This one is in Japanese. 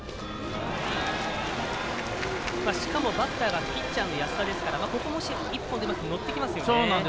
しかも、バッターがピッチャーの安田ですからここもし１本出ますと乗ってきますよね。